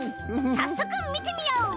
さっそくみてみよう。